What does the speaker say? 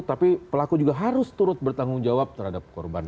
tapi pelaku juga harus turut bertanggung jawab terhadap korban